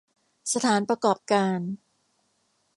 สถานประกอบการ